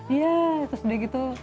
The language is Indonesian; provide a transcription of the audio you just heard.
iya terus udah gitu